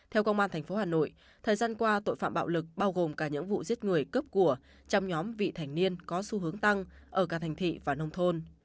theo công an tp hà nội thời gian qua tội phạm bạo lực bao gồm cả những vụ giết người cướp của trong nhóm vị thành niên có xu hướng tăng ở cả thành thị và nông thôn